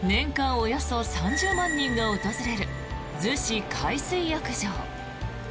およそ３０万人が訪れる逗子海水浴場。